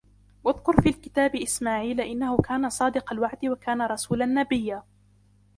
واذكر في الكتاب إسماعيل إنه كان صادق الوعد وكان رسولا نبيا